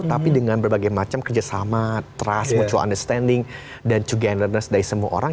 tapi dengan berbagai macam kerjasama trust mutual understanding dan to genders dari semua orang